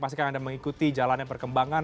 pastikan anda mengikuti jalannya perkembangan